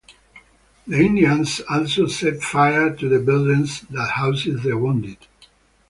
The Indians also set fire to the buildings that housed the wounded.